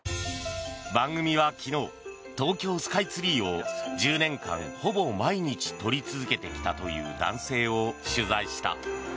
番組は昨日東京スカイツリーを１０年間ほぼ毎日撮り続けてきたという男性を取材した。